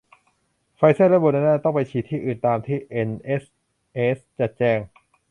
ไฟเซอร์และโมเดอร์นาต้องไปฉีดที่อื่น ตามที่เอ็นเอชเอสจะแจ้ง